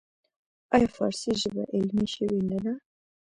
آیا فارسي ژبه علمي شوې نه ده؟